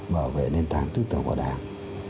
bảo vệ nền tảng tư tưởng của đảng